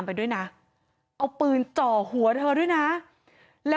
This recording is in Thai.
กังฟูเปล่าใหญ่มา